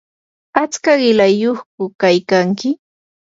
¿atska qilayyuqku kaykanki?